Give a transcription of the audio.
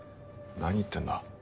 何言ってんだ？